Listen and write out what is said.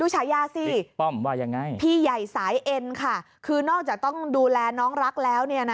ดูฉายาสิพี่ใหญ่สายเอ็นค่ะคือนอกจากต้องดูแลน้องรักแล้วเนี่ยนะ